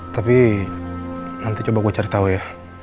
tapi nanti coba gue cari tahu ya